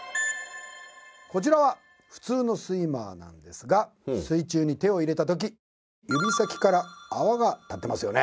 こちらは普通のスイマーなんですが水中に手を入れた時指先から泡が立っていますよね？